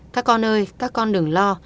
các con ơi các con đừng lo